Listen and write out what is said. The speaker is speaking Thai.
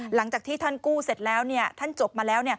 หลังจากที่ท่านกู้เสร็จแล้วท่านจบมาแล้ว